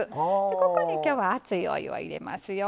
ここに今日は熱いお湯を入れますよ。